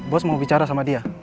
bos mau bicara sama dia